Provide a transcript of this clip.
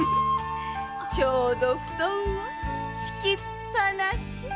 ちょうど布団が敷きっぱなし。